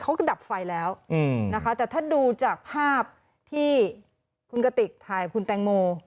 เขาก็ดับไฟแล้วแต่ถ้าดูจากภาพที่คุณกติกถ่ายคุณแตงโม